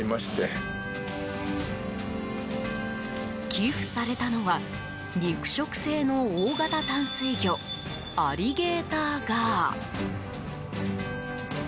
寄付されたのは、肉食性の大型淡水魚アリゲーターガー。